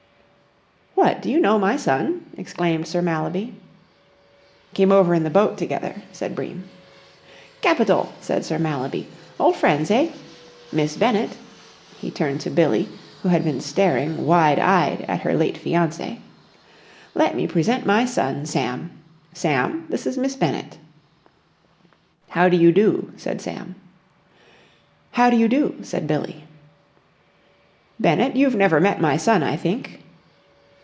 "What, do you know my son?" exclaimed Sir Mallaby. "Came over in the boat together," said Bream. "Capital!" said Sir Mallaby. "Old friends, eh? Miss Bennett," he turned to Billie, who had been staring wide eyed at her late fiancé, "let me present my son, Sam. Sam, this is Miss Bennett." "How do you do?" said Sam. "How do you do?" said Billie. "Bennett, you've never met my son, I think?"